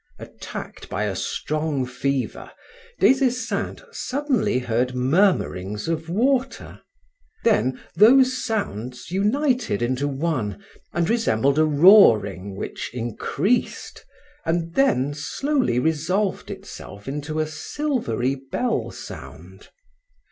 Attacked by a strong fever, Des Esseintes suddenly heard murmurings of water; then those sounds united into one and resembled a roaring which increased and then slowly resolved itself into a silvery bell sound.